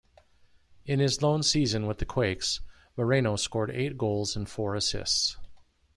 In his lone season with the Quakes, Moreno scored eight goals and four assists.